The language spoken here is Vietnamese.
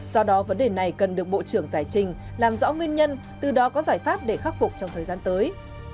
do đó vấn đề này cần được bộ trưởng giải trình làm rõ nguyên nhân từ đó có giải pháp để khắc phục trong thời gian tới